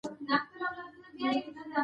یوه ورځ ورته ویله درباریانو